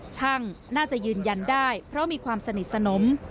ช่างน่าจะยืนยันได้เพราะมีความสนิทสนม